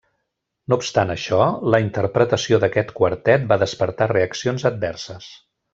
No obstant això, la interpretació d'aquest quartet va despertar reaccions adverses.